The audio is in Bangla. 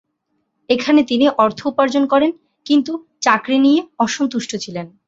এখানে তিনি অর্থ উপার্জন করেন, কিন্তু চাকরি নিয়ে অসন্তুষ্ট ছিলেন।